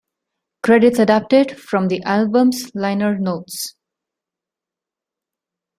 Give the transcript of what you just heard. Credits adapted from the album's liner notes.